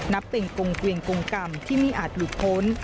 นับเป็นกงเกวียงกงกรรมที่ไม่อาจหลุดพ้น